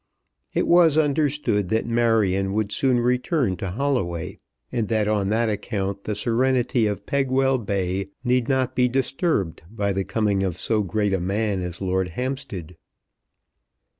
It was understood that Marion would soon return to Holloway, and that on that account the serenity of Pegwell Bay need not be disturbed by the coming of so great a man as Lord Hampstead.